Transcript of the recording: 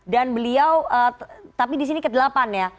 beliau tapi di sini ke delapan ya